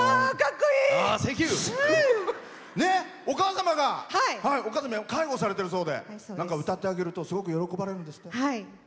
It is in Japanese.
お母様の介護されているそうで何か歌ってあげるとすごく喜ばれるんですって。